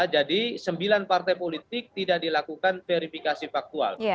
jadi sembilan partai politik tidak dilakukan verifikasi faktual